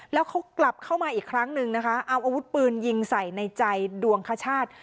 แล้วเขากลับเข้ามาอีกครั้งหนึ่งนะคะเอาอาวุธปืนยิงใส่ในใจดวงคชาติ